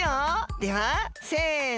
ではせの。